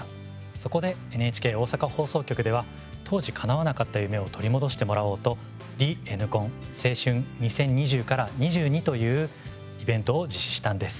そこで、ＮＨＫ大阪放送局では当時かなわなかった夢を取り戻してもらおうと「Ｒｅ−Ｎコン青春２０２０−２２」というイベントを実施したんです。